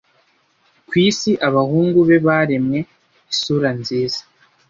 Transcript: Ku isi abahungu be baremwe! Isura nziza